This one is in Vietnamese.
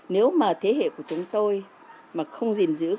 nếu mà thế hệ của chúng tôi mà không gìn giữ